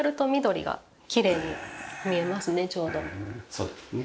そうですね。